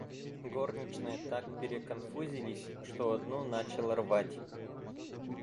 Горничные так переконфузились, что одну начало рвать.